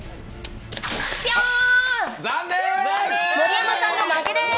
ぴょーん、盛山さんの負けです。